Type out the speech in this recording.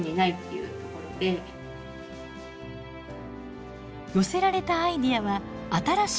寄せられたアイデアは新しい健康器具。